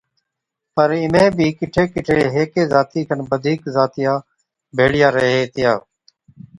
پر اِمھين بِي ڪِٺي ڪِٺي ھيڪي ذاتي کن بڌِيڪ ذاتا ڀيڙِيا ريھي ھِتيا